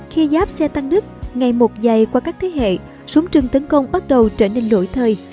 khi giáp xe tăng nước ngày một dày qua các thế hệ súng trừng tấn công bắt đầu trở nên nổi thời